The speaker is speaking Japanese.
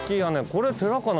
これ寺かな？